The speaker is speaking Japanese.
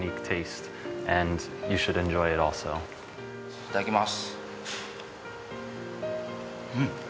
いただきます。